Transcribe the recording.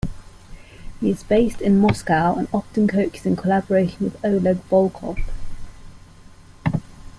He is based in Moscow and often coaches in collaboration with Oleg Volkov.